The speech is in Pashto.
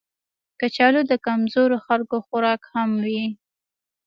کچالو د کمزورو خلکو خوراک هم وي